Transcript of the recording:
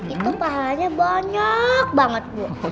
itu pahanya banyak banget bu